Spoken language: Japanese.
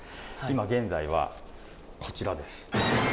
今現在は、こちらです。